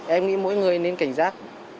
em nghĩ mỗi người nên cảnh giác